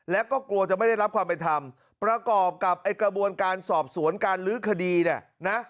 และก็กลัวจะไม่ได้รับความเป็นธรรมประกอบกับไอ้กระบวนการสอบสวนการลื้อคดีเนี่ยนะ